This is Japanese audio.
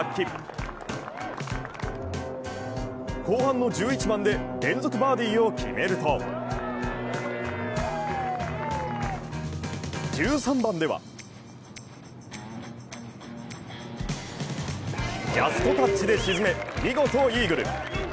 後半の１１番で連続バーディーを決めると、１３番ではジャストタッチで沈め見事イーグル。